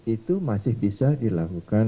itu masih bisa dilakukan